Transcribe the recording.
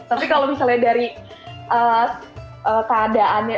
tapi kalau misalnya dari keadaannya